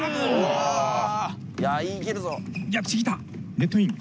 ネットイン。